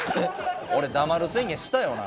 俺黙る宣言したよな。